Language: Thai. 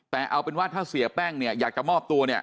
แต่เอาเป็นว่าถ้าเสียแป้งอยากจะมอบตัว